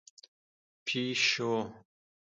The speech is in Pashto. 🐈 پېشو